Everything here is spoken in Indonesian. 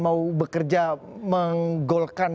mau bekerja menggolkan